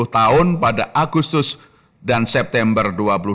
sepuluh tahun pada agustus dan september dua ribu dua puluh